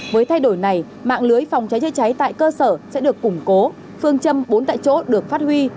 với thay đổi này mạng lưới phòng cháy chữa cháy tại cơ sở sẽ được củng cố phương châm bốn tại chỗ được phát huy